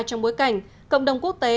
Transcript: trong bối cảnh cộng đồng quốc tế